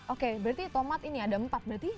oke berarti tomat ini ada empat berarti